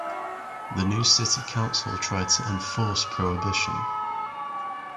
The new city council tried to enforce prohibition.